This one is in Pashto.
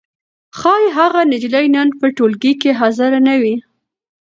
ښايي هغه نجلۍ نن په ټولګي کې حاضره نه وي.